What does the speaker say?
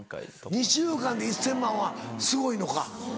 ２週間で１０００万はすごいのか。